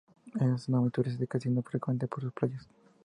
Es una zona muy turística, siendo frecuentada por sus playas.